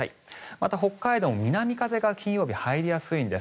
また、北海道も金曜日南風が入りやすいんです。